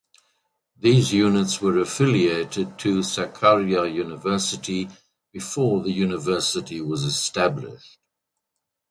These units were affiliated to Sakarya University before the university was established.